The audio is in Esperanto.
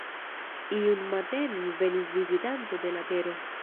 Iun matenon venis vizitanto de la Tero.